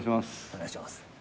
お願いします。